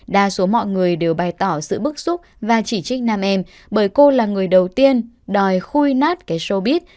đa số mọi người đều bày tỏ sự bức xúc và chỉ trích nam em bởi cô là người đầu tiên đòi khui nát cái shobit